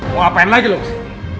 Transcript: mau ngapain lagi lo kesini